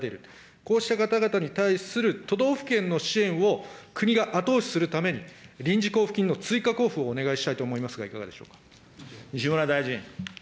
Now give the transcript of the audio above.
こうした方々に対する都道府県の支援を国が後押しするために、臨時交付金の追加交付をお願いしたいと思いますが、いかがでしょ西村大臣。